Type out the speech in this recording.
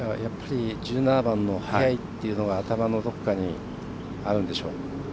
１７番の速いというのが頭のどこかにあるんでしょう。